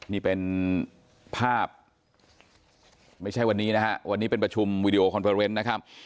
นี่เป็นภาพไม่ใช่วันนี้นะฮะวันนี้เป็นประชุมวีดีโอคอนเตอร์เวนต์นะครับ